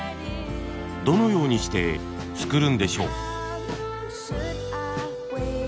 どのようにして作るんでしょう。